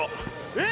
えっ！